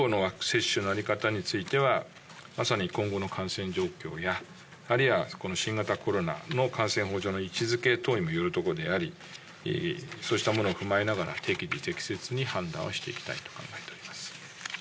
まさに今後の感染状況やあるいはこの新型コロナの感染症法上の位置づけ等にもよるところでありそうしたものを踏まえながら適宜適切に判断をしていきたいと考えております。